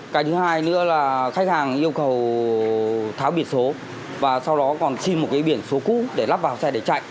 cái thứ hai nữa là khách hàng yêu cầu tháo biển số và sau đó còn xin một cái biển số cũ để lắp vào xe để chạy